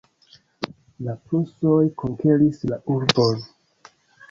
La prusoj konkeris la urbon.